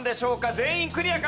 全員クリアか？